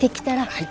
はい。